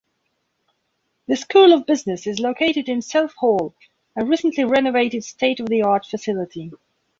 The School of Business is located in Self Hall-a recently renovated, state-of-the-art facility.